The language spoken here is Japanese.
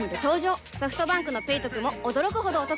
ソフトバンクの「ペイトク」も驚くほどおトク